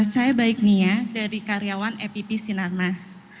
saya baik nia dari karyawan epp sinarmas